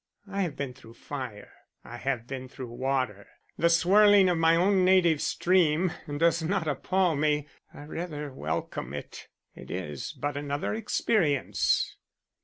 I have been through fire; I have been through water. The swirling of my own native stream does not appall me. I rather welcome it; it is but another experience."